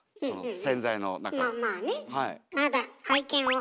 まあまあね。